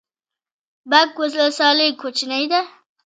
باک ولسوالۍ کوچنۍ ده؟